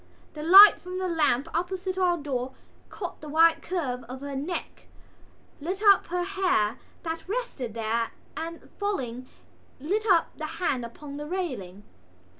The light from the lamp opposite our door caught the white curve of her neck, lit up her hair that rested there and, falling, lit up the hand upon the railing.